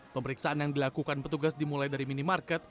pemeriksaan yang dilakukan petugas dimulai dari minimarket